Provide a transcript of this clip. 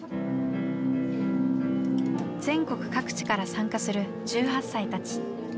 全国各地から参加する１８歳たち。